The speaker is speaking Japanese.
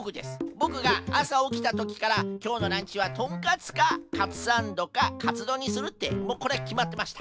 ボクがあさおきたときからきょうのランチはトンカツかカツサンドかカツドンにするってもうこれはきまってました。